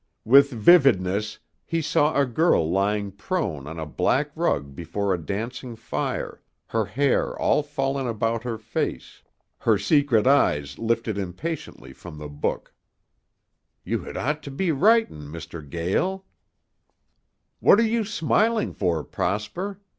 With vividness he saw a girl lying prone on a black rug before a dancing fire, her hair all fallen about her face, her secret eyes lifted impatiently from the book "You had ought to be writin', Mr. Gael...." "What are you smiling for, Prosper?"